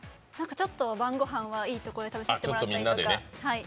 ちょっと晩ご飯は、いいところで食べさせてもらったりとか。